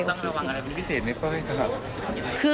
ต้องระวังอะไรเป็นพิเศษไหมค่ะ